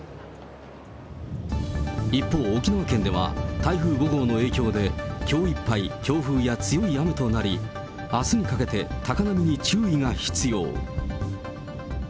一方、沖縄県では、台風５号の影響で、きょういっぱい、強風や強い雨となり、あすにかけて高波に注意が必要。